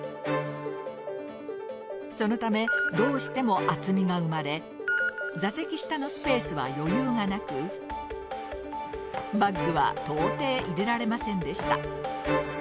そのためどうしても厚みが生まれ座席下のスペースは余裕がなくバッグは到底入れられませんでした。